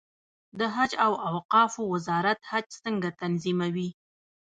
د حج او اوقافو وزارت حج څنګه تنظیموي؟